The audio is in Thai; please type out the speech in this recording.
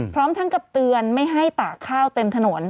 พร้อมทั้งกับเตือนไม่ให้ตากข้าวเต็มถนน